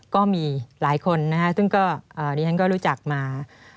ก็มีหลายคนนะฮะซึ่งก็ดิฉันก็รู้จักมา